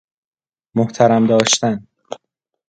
محترم داشتن